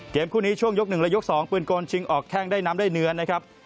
คู่นี้ช่วงยก๑และยก๒ปืนโกนชิงออกแข้งได้น้ำได้เนื้อนะครับ